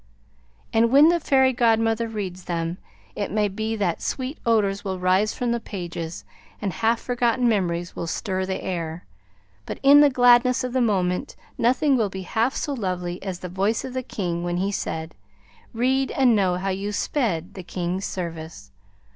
And when the Fairy Godmother reads them, it may be that sweet odors will rise from the pages, and half forgotten memories will stir the air; but in the gladness of the moment nothing will be half so lovely as the voice of the King when he said: "Read, and know how you sped the King's service."